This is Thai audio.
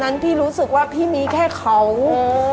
การที่บูชาเทพสามองค์มันทำให้ร้านประสบความสำเร็จ